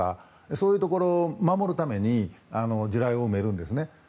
そういうところを守るために地雷を埋めるんですね。